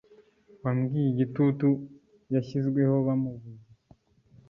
wambwiye igitutu yashyizweho bamubuza